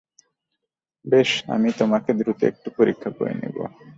বেশ, আমি তোমাকে দ্রুত একটু পরীক্ষা করে নেবো।